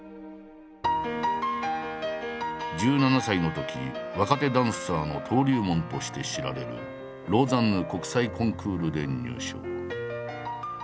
１７歳のとき若手ダンサーの登竜門として知られるローザンヌ国際コンクールで入賞。